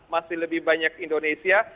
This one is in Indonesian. masih lebih banyak indonesia